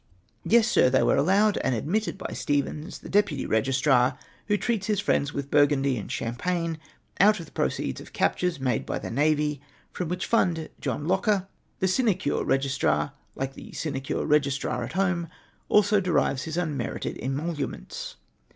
Yes, Sir, they were allowed and admitted by Stevens, the deputy registrar, who treats his friends with Burgundy and Champagne out of the proceeds of captures made by the navy, from which fund, John Locker, the sinecure registrar, like the sinecure regis trar at home, also derives his unmerited emoluments.